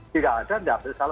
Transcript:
tidak ada enggak ada salah